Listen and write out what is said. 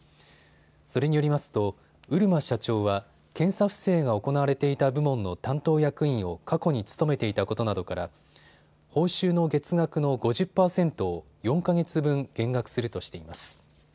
それによりますと漆間社長は検査不正が行われていた部門の担当役員を過去に務めていたことなどから報酬の月額の５０％を４か月分減額するとしています。